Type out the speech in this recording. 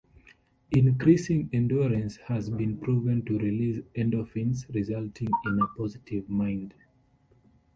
Increasing endurance has been proven to release endorphins resulting in a positive mind.